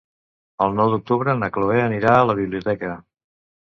El nou d'octubre na Cloè anirà a la biblioteca.